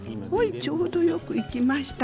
ちょうどよくいきました。